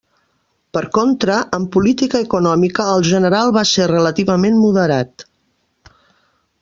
Per contra, en política econòmica, el general va ser relativament moderat.